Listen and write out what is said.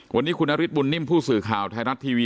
วันนี้คุณนฤทธบุญนิ่มผู้สื่อข่าวไทยรัฐทีวี